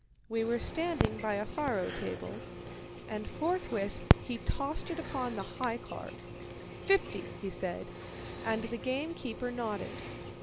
We were standing by a faro table, and forthwith he tossed it upon the "high card." "Fifty," he said, and the game keeper nodded.